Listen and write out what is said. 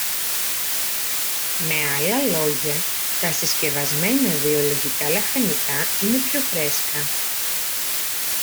Με άλλα λόγια, τα συσκευασμένα βιολογικά λαχανικά είναι πιο φρέσκα